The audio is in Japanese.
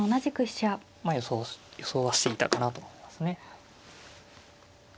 まあ予想はしていたかなと思いますね。